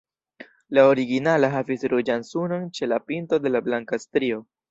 La originala havis ruĝan sunon ĉe la pinto de la blanka strio.